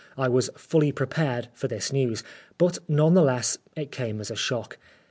I was fully prepared for this news, but none the less it came as a shock.